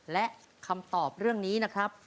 และคำตอบเรื่องนี้นะครับ